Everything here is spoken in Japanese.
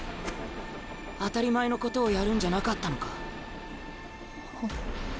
当たり前のことをやるんじゃなかったのか？は。